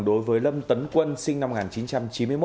đối với lâm tấn quân sinh năm một nghìn chín trăm chín mươi một